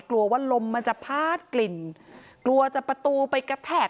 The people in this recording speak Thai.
กลัวว่าลมมันจะพาดกลิ่นกลัวจะประตูไปกระแทก